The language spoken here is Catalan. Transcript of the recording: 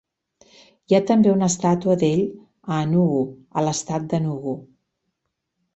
Hi ha també una estàtua d'ell a Enugu, a l'estat d'Enugu.